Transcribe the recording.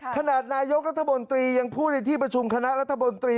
ขนาดนายกรัฐมนตรียังพูดในที่ประชุมคณะรัฐบนตรี